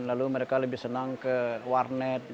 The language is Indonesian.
lalu mereka lebih senang ke warnet